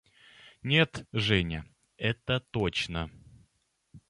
– Нет, Женя, это точно.